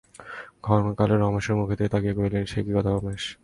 ক্ষণকাল রমেশের মুখের দিকে তাকাইয়া কহিলেন, সে কী কথা রমেশ!